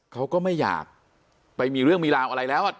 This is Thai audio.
เขาก็ไม่อยากไปมีเรื่องมีราวอะไรแล้ว